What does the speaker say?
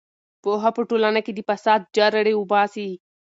پوهه په ټولنه کې د فساد جرړې وباسي.